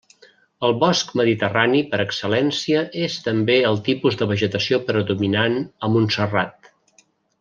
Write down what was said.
El bosc mediterrani per excel·lència és també el tipus de vegetació predominant a Montserrat.